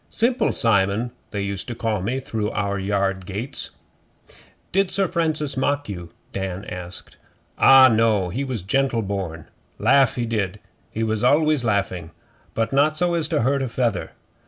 'Simple Simon they used to call me through our yard gates.' 'Did Sir Francis mock you?' Dan asked. 'Ah, no. He was gentle born. Laugh he did he was always laughing but not so as to hurt a feather.